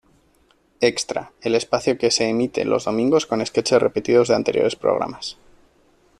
Extra", espacio que se emite los domingos con sketches repetidos de anteriores programas.